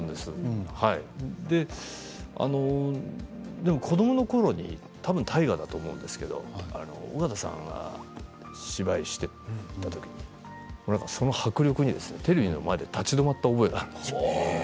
でも子どものころに多分、大河ドラマだと思うんですけれど緒形さんが芝居をしていた時にその迫力にテレビの前で立ち止まったことがあるんですよ。